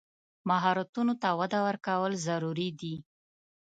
مهارتونو ته وده ورکول ضروري دي.